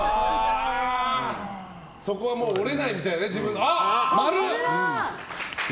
そこはもう折れないみたいなね。